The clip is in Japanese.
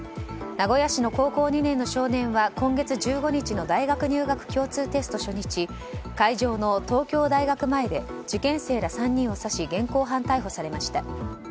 名古屋市の高校２年の少年は今月１５日の大学入学共通テスト初日会場の東京大学前で受験生ら３人を刺し現行犯逮捕されました。